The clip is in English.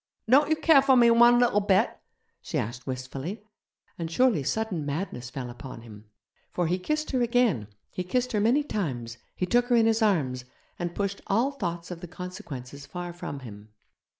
'Don't you care for me one little bit?' she said wistfully, and surely sudden madness fell upon him. For he kissed her again, he kissed her many times, he took her in his arms, and pushed all thoughts of the consequences far from him.